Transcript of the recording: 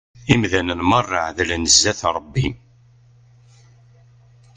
Imdanen merra εedlen zzat Rebbi.